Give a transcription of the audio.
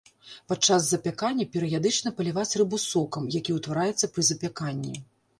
Падчас запякання перыядычна паліваць рыбу сокам, які утвараецца пры запяканні.